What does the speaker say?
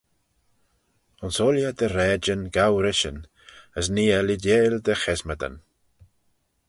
Ayns ooilley dty raaidyn gow rishyn, as nee eh leeideil dty chesmadyn.